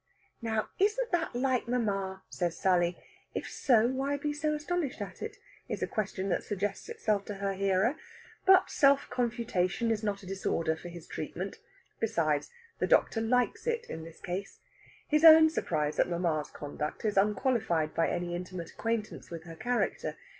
"Now, isn't that like mamma?" says Sally. If so, why be so astonished at it? is a question that suggests itself to her hearer. But self confutation is not a disorder for his treatment. Besides, the doctor likes it, in this case. His own surprise at mamma's conduct is unqualified by any intimate acquaintance with her character.